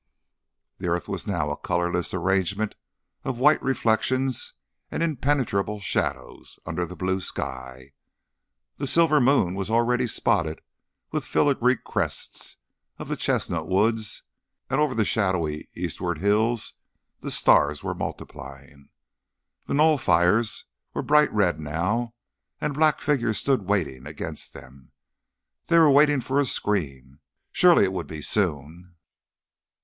The earth was now a colourless arrangement of white reflections and impenetrable shadows, under the blue sky. The silvery moon was already spotted with the filigree crests of the chestnut woods, and over the shadowy eastward hills the stars were multiplying. The knoll fires were bright red now, and black figures stood waiting against them. They were waiting for a scream.... Surely it would be soon.